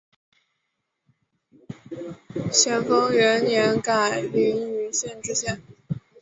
咸丰元年改临榆县知县。